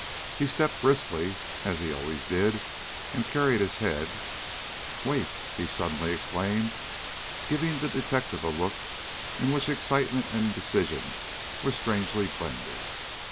He stepped briskly, as he always did, and carried his head Wait!" he suddenly exclaimed, giving the detective a look in which excitement and decision were strangely blended.